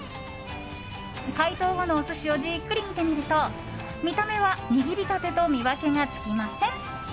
解凍後のお寿司をじっくり見てみると見た目は握りたてと見分けがつきません。